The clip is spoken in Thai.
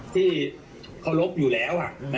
ที่เขารพอยู่แล้วอ่ะ